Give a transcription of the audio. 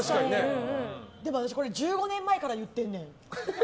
でも私、１５年前からこれ言ってんねん。